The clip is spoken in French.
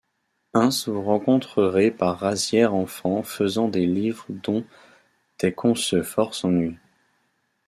Ains vous rencontrerez par razières enfans faisant des livres dont est conceu force ennuy.